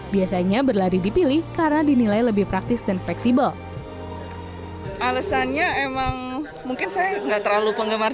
biasanya berlari dipilih karena dinilai lebih praktis dan fleksibel